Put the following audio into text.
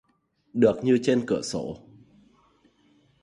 Được như trên cửa sổ